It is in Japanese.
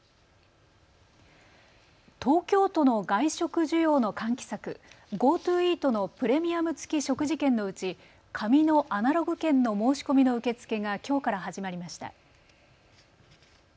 東京都の外食需要の喚起策、ＧｏＴｏイートのプレミアム付き食事券のうち紙のアナログ券の申し込みの受け付けがきょうから始まりました。